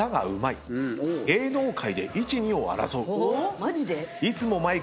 マジで？